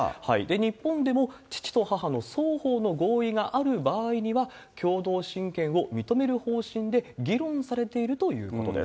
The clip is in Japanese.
日本でも父と母の双方の合意がある場合には、共同親権を認める方針で議論されているということです。